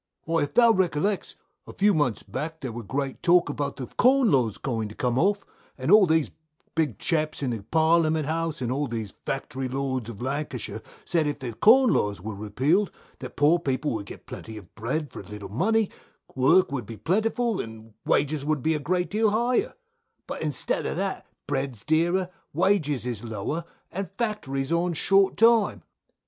Jack. Why, if thou recollects, a few months back there wur great talk about the Corn Laws going to come off, and all these big chaps in the Parliament House, and all these Factory Lords of Lancashire, said if the Corn Laws wur repealed that poor people would get plenty of bread for little money, work would be plentiful, and wages would be a great deal higher; but instead of that, bread's dearer, wages is lower, and factories are on short time.